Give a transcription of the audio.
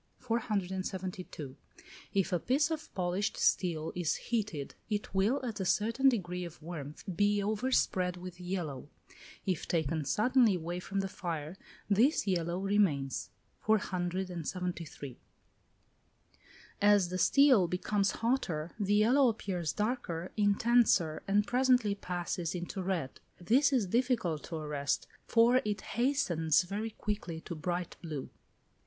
472. If a piece of polished steel is heated, it will, at a certain degree of warmth, be overspread with yellow. If taken suddenly away from the fire, this yellow remains. 473. As the steel becomes hotter, the yellow appears darker, intenser, and presently passes into red. This is difficult to arrest, for it hastens very quickly to bright blue.